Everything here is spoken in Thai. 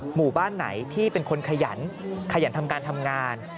หมู่บ้านไหนที่เป็นคนขยันขยันทำการทำงาน